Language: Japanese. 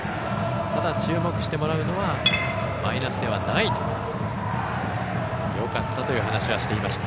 ただ、注目してもらうのはマイナスではないとよかったという話はしていました。